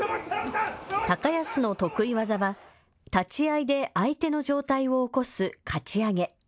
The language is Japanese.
高安の得意技は立ち合いで相手の上体を起こす、かち上げ。